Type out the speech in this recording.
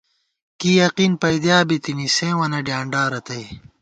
کی یقین پَئیدِیا بِتِنی، سیوں وَنہ ڈیانڈا رتئ